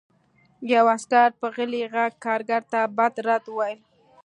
یوه عسکر په غلي غږ کارګر ته بد رد وویل